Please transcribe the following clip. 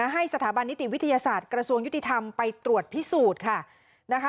ให้สถาบันนิติวิทยาศาสตร์กระทรวงยุติธรรมไปตรวจพิสูจน์ค่ะนะคะ